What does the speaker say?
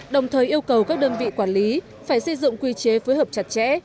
đồng thời yêu cầu các đơn vị quản lý phải xây dựng quy chế phối hợp chặt chẽ